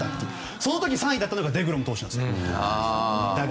その時３位だったのがデグロム投手だったんです。